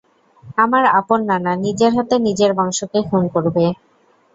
আমার আপন নানা, নিজের হাতে নিজের বংশ কে খুন করবে।